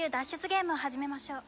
ゲームを始めましょう。